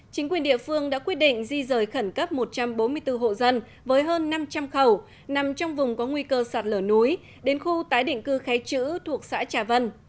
chính quyền địa phương đã quyết định di rời khẩn cấp một trăm bốn mươi bốn hộ dân với hơn năm trăm linh khẩu nằm trong vùng có nguy cơ sạt lở núi đến khu tái định cư khe chữ thuộc xã trà vân